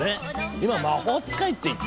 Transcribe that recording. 今魔法使いって言った？